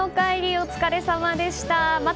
お疲れさまでした。